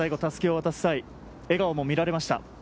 襷を渡す際、笑顔も見られました。